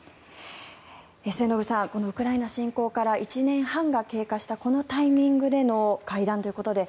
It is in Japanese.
末延さん、ウクライナ侵攻から１年半が経過したこのタイミングでの会談ということで